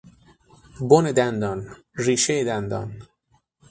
بن دندان، ریشهی دندان